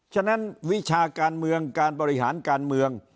ฉะนั้นวิชาการเมืองการบริหารการเมือง